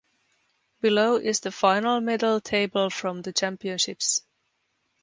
Below is the final medal table from the championships.